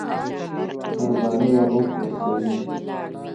قرباني به اوس ورکوي.